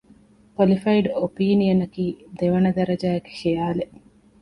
ކޮލިފައިޑް އޮޕީނިއަނަކީ ދެވަނަ ދަރަޖައިގެ ޚިޔާލެއް